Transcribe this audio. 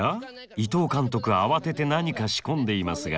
伊藤監督慌てて何か仕込んでいますが。